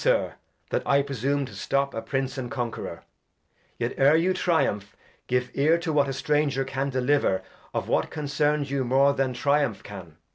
Sir, that I presume to stop A Prince and Conquerour, yet e'er you Triumph, Give Ear to what a Stranger can deliver Of what concerns you more than Triumph can.